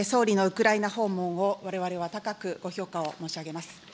総理のウクライナ訪問を、われわれは高くご評価を申し上げます。